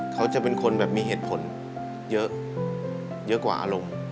เขาจะเป็นคนแบบมีเหตุผลเยอะเยอะกว่าอารมณ์